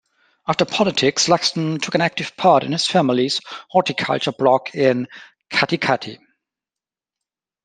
After politics, Luxton took an active part in his family's horticulture block in Katikati.